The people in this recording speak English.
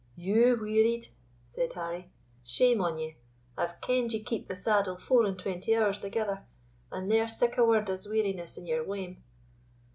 "You wearied?" said Harry; "shame on ye! I have kend ye keep the saddle four and twenty hours thegither, and ne'er sic a word as weariness in your wame."